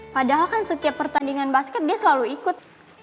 padahal kan setiap pertandingan basket dia selalu ikut